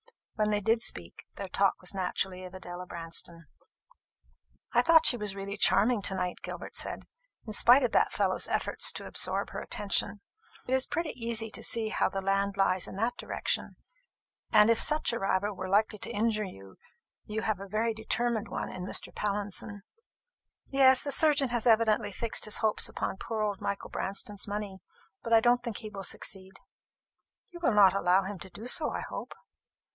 When they did speak, their talk was naturally of Adela Branston. "I thought she was really charming to night," Gilbert said, "in spite of that fellow's efforts to absorb her attention. It is pretty easy to see how the land lies in that direction; and if such a rival were likely to injure you, you have a very determined one in Mr. Pallinson." "Yes; the surgeon has evidently fixed his hopes upon poor old Michael Branston's money. But I don't think he will succeed." "You will not allow him to do so, I hope?"